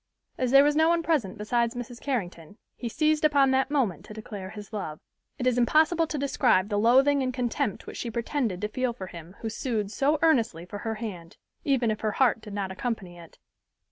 As there was no one present besides Mrs. Carrington, he seized upon that moment to declare his love. It is impossible to describe the loathing and contempt which she pretended to feel for him who sued so earnestly for her hand, even if her heart did not accompany it.